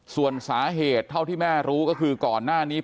ส่วนสาเหตุเท่าที่แม่รู้ก็คือก่อนหน้านี้